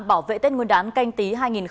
bảo vệ tết nguyên đán canh tí hai nghìn hai mươi